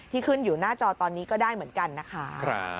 ขึ้นอยู่หน้าจอตอนนี้ก็ได้เหมือนกันนะคะ